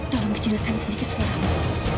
tolong kecilkan sedikit suaranya